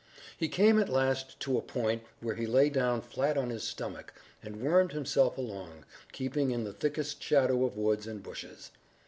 He came at last to a point where he lay down flat on his stomach and wormed himself along, keeping in the thickest shadow of woods and bushes.